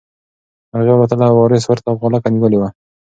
مرغۍ الوتله او وارث ورته غولکه نیولې وه.